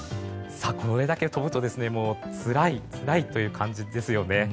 これだけ飛ぶと、つらいつらいという感じですよね。